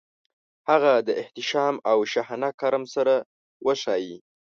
هغه د احتشام او شاهانه کرم سره وښايي.